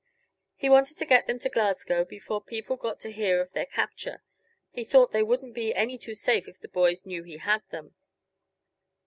He wanted to get them to Glasgow before people got to hear of their capture; he thought they wouldn't be any too safe if the boys knew he had them.